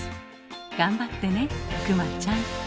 頑張ってね熊ちゃん。